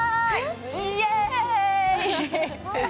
イエーイ。